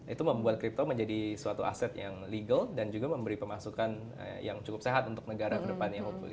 itu membuat crypto menjadi suatu aset yang legal dan juga memberi pemasukan yang cukup sehat untuk negara ke depannya hopely